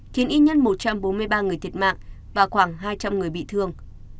khiến ít nhất một trăm bốn mươi ba người thiệt mạng và khoảng hai trăm linh người bị thương